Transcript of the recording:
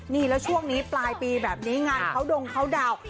นี่แล้วช่วงนี้ปลายปีแบบนี้งานเขาดงเขาดาวน์